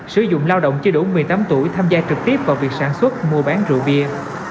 sử dụng lao động chưa đủ một mươi tám tuổi tham gia trực tiếp vào việc sản xuất mua bán rượu bia